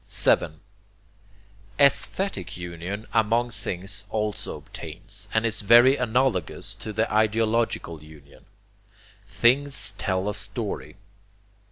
7. AESTHETIC UNION among things also obtains, and is very analogous to ideological union. Things tell a story.